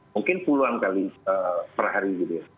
mungkin puluhan kali per hari